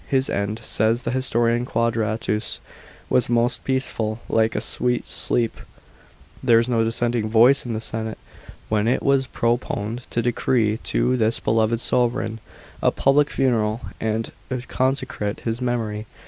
His end, says the historian Qnadratus, was most peaceful, like a sweet sleep. § 13. There was no dissenting voice in the senate, when it was proponed to decree to this beloved sovran a pu' lic funeral, and u> consecrate his memory.